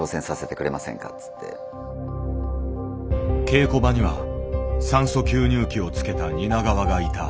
稽古場には酸素吸入器をつけた蜷川がいた。